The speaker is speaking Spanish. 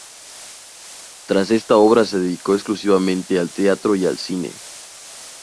Tras esta obra se dedicó exclusivamente al teatro y al cine.